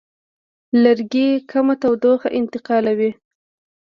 لرګي کم تودوخه انتقالوي.